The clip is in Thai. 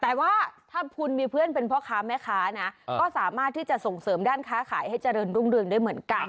แต่ว่าถ้าคุณมีเพื่อนเป็นพ่อค้าแม่ค้านะก็สามารถที่จะส่งเสริมด้านค้าขายให้เจริญรุ่งเรืองได้เหมือนกัน